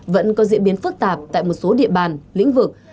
vẫn có diễn biến phức tạp tại một số địa bàn lĩnh vực